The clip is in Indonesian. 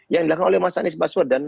yang dilakukan oleh mas anies baswedan